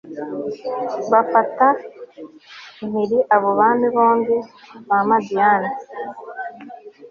afata mpiri abo bami bombi ba madiyani